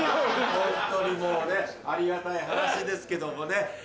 ホントにもうねありがたい話ですけどもね。